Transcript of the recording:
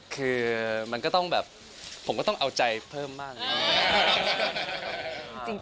คือมันก็ต้องแบบผมก็ต้องเอาใจเพิ่มบ้าง